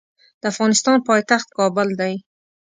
د افغانستان پایتخت کابل دی.